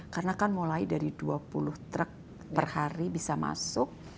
karena kan mulai dari dua puluh truk per hari bisa masuk